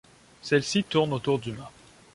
Celle-ci tourne autour du mât.